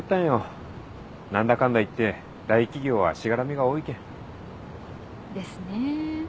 何だかんだいって大企業はしがらみが多いけん。ですね。